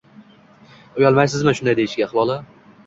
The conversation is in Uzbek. Uyalmaysizmi, shunday deyishga, Hilola